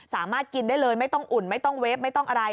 สามารถกินได้เลยไม่ต้องอุ่นไม่ต้องเวฟไม่ต้องอะไร